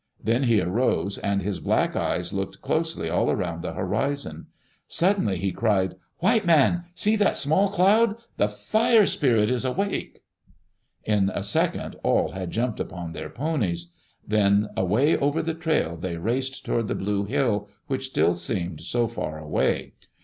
Then he arose and his black eyes looked closely all around the horizon. Suddenly he cried, White man I See that small cloud! The Fire Spirit is awake f In a second all had jumped upon their ponies. Then away over the trail they raced toward the blue hill which still seemed so very far away.